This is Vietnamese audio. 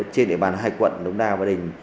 trên địa bàn hai quận đồng đa và đỉnh